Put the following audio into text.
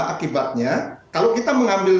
akibatnya kalau kita mengambil